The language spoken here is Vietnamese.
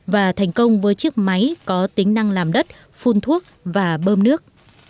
và thành công với chiếc máy có tính năng làm đất phun thuốc và bơm nước